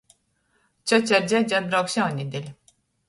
Cjoce ar dzjadzi atbrauks jaunnedeļ.